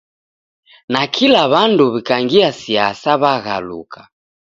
Nakila w'andu w'ikangia siasa w'aghaluka